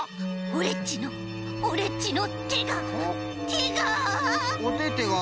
オレっちのオレっちのてがてが！